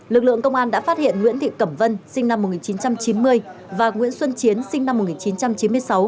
lực lượng công an đã phát hiện nguyễn thị cẩm vân sinh năm một nghìn chín trăm chín mươi và nguyễn xuân chiến sinh năm một nghìn chín trăm chín mươi sáu